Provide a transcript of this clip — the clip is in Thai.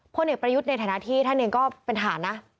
พลเอกประยุทธ์ในฐานะที่ท่านเองก็เป็นฐานนะ